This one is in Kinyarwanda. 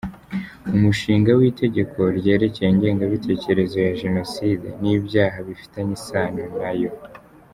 Umushinga w’Itegeko ryerekeye ingengabitekerezo ya Jenoside n’ibyaha bifitanye isano nayo;.